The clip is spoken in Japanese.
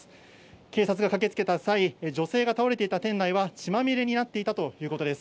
警察が駆けつけた際、女性が倒れていた店内は、血まみれになっていたということです。